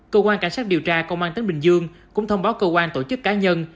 cơ quan cảnh sát điều tra công an tỉnh bình dương cũng thông báo cơ quan tổ chức cá nhân